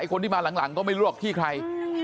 คนที่มาหลังก็ไม่รู้หรอกพี่ใคร